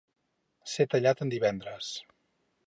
Ser tallat en divendres.